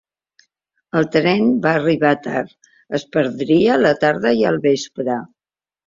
El tren va arribar tard; es perdria la tarda i el vespre.